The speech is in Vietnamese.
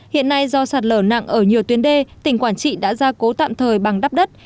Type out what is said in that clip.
hiện nay do sạt lở nặng ở nhiều tuyến đê tỉnh quảng trị đã ra cố tạm thời bằng đắp đất